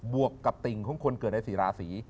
วกกับติ่งของคนเกิดใน๔ราศี